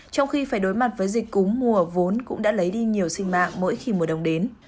trong khi phải đối mặt với dịch cúm mùa vốn cũng đã lấy đi nhiều sinh mạng mỗi khi mùa đông đến